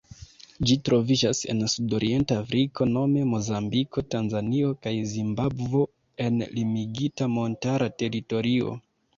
Ĝi troviĝas en sudorienta Afriko nome Mozambiko, Tanzanio kaj Zimbabvo en limigita montara teritorio.